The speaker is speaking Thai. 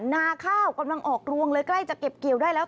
นาข้าวกำลังออกรวงเลยใกล้จะเก็บเกี่ยวได้แล้ว